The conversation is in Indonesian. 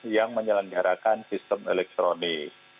yang menyelenggarakan sistem elektronik